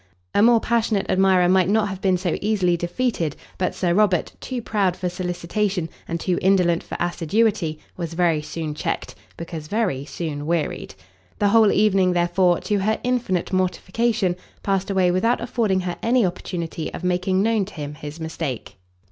A more passionate admirer might not have been so easily defeated; but Sir Robert, too proud for solicitation, and too indolent for assiduity, was very soon checked, because very soon wearied. The whole evening, therefore, to her infinite mortification, passed away without affording her any opportunity of making known to him his mistake.